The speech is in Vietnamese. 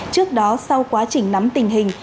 trước đó sau quá trình nắm tình hình